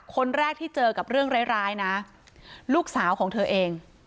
คนแรกที่เจอกับเรื่องร้ายนะลูกสาวของเธอเอง